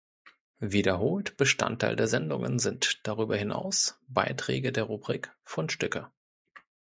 Wiederholt Bestandteil der Sendungen sind darüber hinaus Beiträge der Rubrik "Fundstücke".